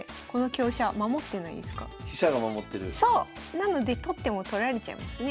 なので取っても取られちゃいますね。